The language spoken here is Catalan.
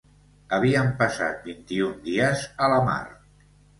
Havien passat vint-i-un dies a la mar.